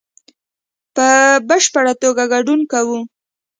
په بشپړ توګه ګډون کوو